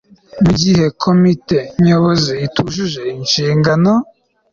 Mu gihe Komite Nyobozi itujuje inshingano